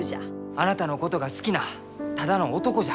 あなたのことが好きなただの男じゃ。